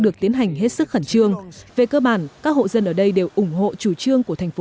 được tiến hành hết sức khẩn trương về cơ bản các hộ dân ở đây đều ủng hộ chủ trương của thành phố